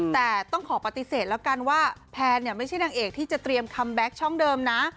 แต่ต้องขอปฏิเสธแล้วกันว่าแพนเนี่ยไม่ใช่นางเอกที่จะเตรียมคัมแบ็คช่องเดิมนะ